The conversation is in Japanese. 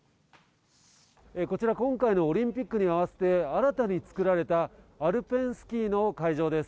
こちら、今回のオリンピックに合わせて、新たに作られたアルペンスキーの会場です。